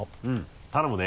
頼むね。